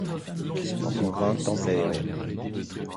Dans son vain temple aérien